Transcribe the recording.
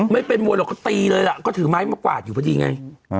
ไม่เป็นมวยหรอกก็ตีเลยล่ะก็ถือไม้มากวาดอยู่พอดีไง